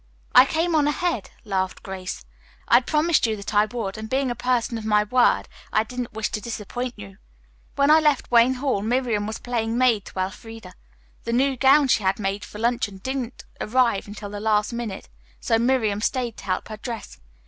"I came on ahead," laughed Grace. "I had promised you that I would, and being a person of my word, I didn't wish to disappoint you. When I left Wayne Hall Miriam was playing maid to Elfreda. The new gown she had made for the luncheon didn't arrive until the last minute. So Miriam stayed to help her dress.